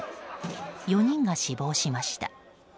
４人が死亡しました。